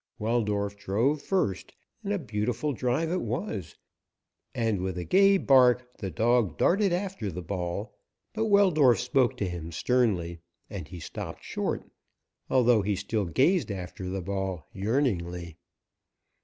Weldorf drove first, and a beautiful drive it was, and with a gay bark the dog darted after the ball, but Weldorf spoke to him sternly, and he stopped short, although he still gazed after the ball yearningly.